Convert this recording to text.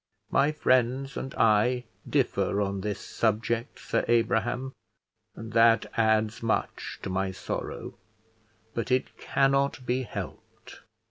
My friends and I differ on this subject, Sir Abraham, and that adds much to my sorrow; but it cannot be helped."